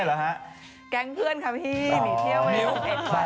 แก๊งเพื่อนครับพี่ดูเที่ยวว่า